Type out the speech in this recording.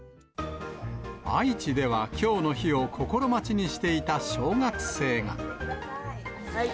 愛知ではきょうの日を心待ちにしていた小学生が。